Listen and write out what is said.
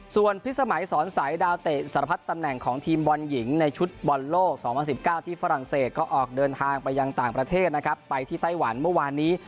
ส่วนพิษสมัยสอนใสดาวเตะสารพัดตำแหน่งของทีมบอลหญิงในชุดบอลโลก๒๐๑๙ที่ฝรั่งเศสก็ออกเดินทางไปยังต่างประเทศนะครับไปที่ไต้หวันเมื่อวานนี้